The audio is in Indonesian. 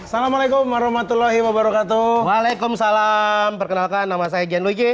assalamualaikum warahmatullahi wabarakatuh waalaikumsalam perkenalkan nama saya januge